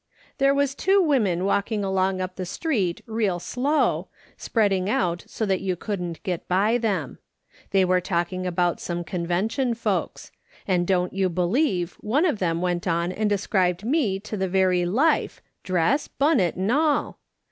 "There was two women walking along up the street real slow, spreading out so tliat you couldn't get by them. They were talking about some Con vention folks. And don't you believe one of them went on and described me to the very life, dress, bunnit, and all